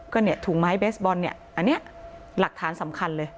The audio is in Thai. ก็เนี่ยถุงไม้เบสบอลเนี่ยอันนี้หลักฐานสำคัญเลย